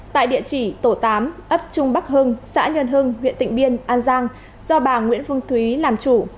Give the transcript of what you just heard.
tại địa chỉ tổ tám ấp trung bắc hưng xã nhân hưng huyện tịnh biên an giang do bà nguyễn phương thúy làm chủ